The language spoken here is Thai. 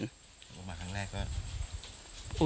ลงมาครั้งแรกก็